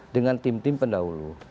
dengan tim tim pendahulu